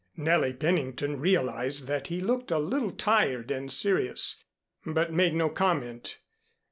Nellie Pennington realized that he looked a little tired and serious, but made no comment.